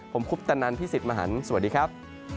ผมคุปตะนันพี่สิทธิ์มหันฯสวัสดีครับ